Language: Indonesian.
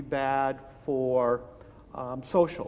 buruk untuk sosial